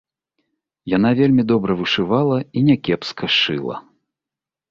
Яна вельмі добра вышывала і някепска шыла.